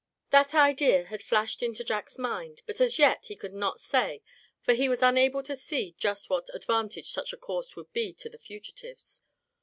That idea had flashed into Jack's mind, but as yet he could not say; for he was unable to see just what advantage such a course would be to the fugitives.